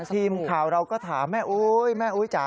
ทีมข่าวเราก็ถามแม่อุ๊ยแม่อุ๊ยจ๋า